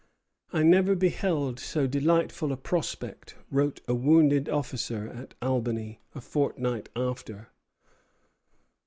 "I never beheld so delightful a prospect," wrote a wounded officer at Albany a fortnight after.